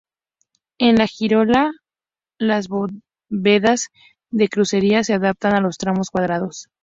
En la girola las bóvedas de crucería se adaptan a los tramos cuadrados.